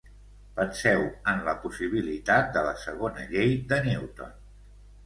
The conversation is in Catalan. Penseu en la possibilitat de la segona llei de Newton.